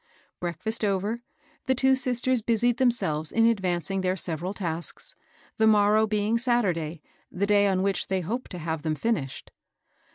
) Breakfast over, the two sisters busied themselves in advancing their several tasks, the morrow being Saturday, the day on which they hoped to have them finished.